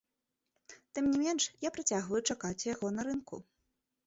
Тым не менш, я працягваю чакаць яго на рынку.